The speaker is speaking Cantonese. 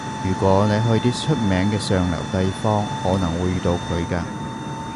如果你去啲出名嘅上流地方，可能會遇到佢㗎